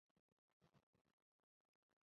焦氏短稚鳕为深海鳕科短稚鳕属的鱼类。